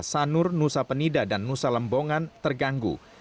sanur nusa penida dan nusa lembongan terganggu